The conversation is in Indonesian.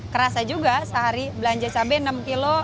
kerasa juga sehari belanja cabai enam kilo